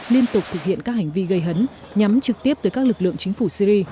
liên tục thực hiện các hành vi gây hấn nhắm trực tiếp tới các lực lượng chính phủ syri